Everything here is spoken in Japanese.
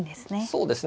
そうですね。